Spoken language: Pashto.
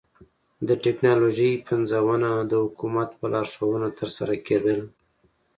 د ټکنالوژۍ پنځونه د حکومت په لارښوونه ترسره کېدل